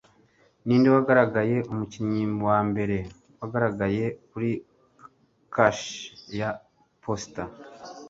Ninde Wabaye Umukinnyi wa mbere wagaragaye kuri kashe ya posita